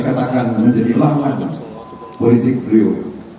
katakan menjadi lawan politik beliau